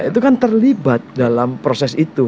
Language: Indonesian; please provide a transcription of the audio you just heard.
itu kan terlibat dalam proses itu